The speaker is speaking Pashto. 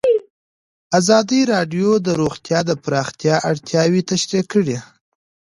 ازادي راډیو د روغتیا د پراختیا اړتیاوې تشریح کړي.